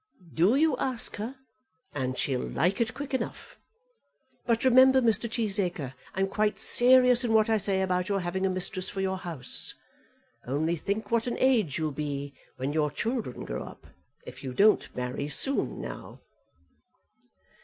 "Do you ask her, and she'll like it it quick enough. But remember, Mr. Cheesacre, I'm quite serious in what I say about your having a mistress for your house. Only think what an age you'll be when your children grow up, if you don't marry soon now."